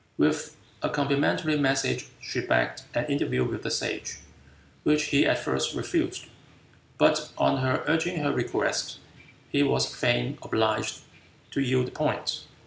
With a complimentary message she begged an interview with the Sage, which he at first refused; but on her urging her request, he was fain obliged to yield the point.